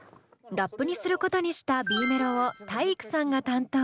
ラップにすることにしたＢメロを体育さんが担当。